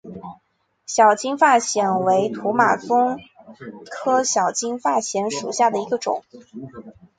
小金发藓为土马鬃科小金发藓属下的一个种。